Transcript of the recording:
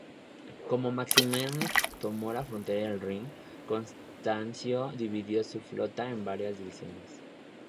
Con Maximiano tomando la frontera del Rin, Constancio dividió su flota en varias divisiones.